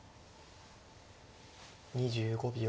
２５秒。